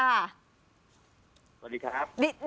สวัสดีครับ